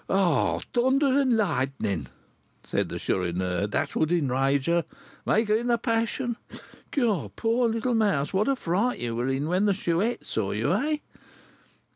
'" "Oh, thunder and lightning!" said the Chourineur; "that would enrage her, make her in a passion! Poor little mouse, what a fright you were in when the Chouette saw you! eh?"